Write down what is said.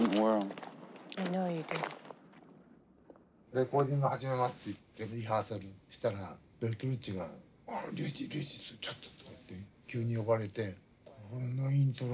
レコーディング始めますって言ってリハーサルしたらベルトルッチが「リュウイチリュウイチちょっと」とか言って急に呼ばれて「このイントロは好きじゃないんだよね